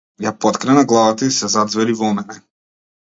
Ја поткрена главата и се заѕвери во мене.